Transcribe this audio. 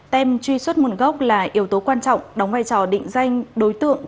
tem truy xuất nguồn gốc là yếu tố quan trọng đóng vai trò định danh đối tượng